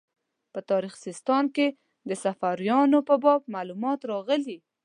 په تاریخ سیستان کې د صفاریانو په باب معلومات راغلي.